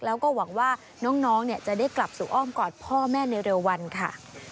แล้วก็หวังว่าน้องจะได้กลับสู่อ้อมกอดพ่อแม่ในเร็ววันค่ะ